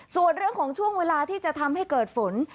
ส่วนเรื่องของช่วงเวลาที่จะทำให้เกิดฝน